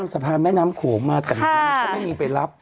สะพานแม่น้ำขวงมาตันการับก็ไม่มีไปรับ